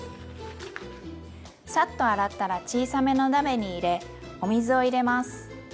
サッと洗ったら小さめの鍋に入れお水を入れます。